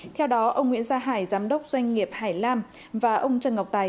theo đó ông nguyễn gia hải giám đốc doanh nghiệp hải lam và ông trần ngọc tài